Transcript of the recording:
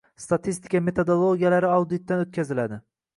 Statistika metodologiyalari auditdan o‘tkaziladi